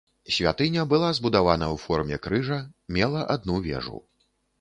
Святыня была збудавана ў форме крыжа, мела адну вежу.